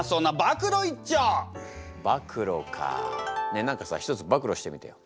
ねえ何かさ一つ暴露してみてよ。